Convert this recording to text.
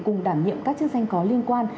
cùng đảm nhiệm các chức danh có liên quan